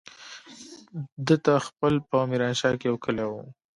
دته خېل په ميرانشاه کې يو کلی وو.